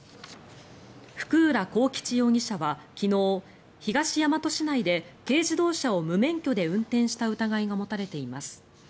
福浦幸吉容疑者は昨日東大和市内で軽自動車を無免許で運転した疑いが持たれています。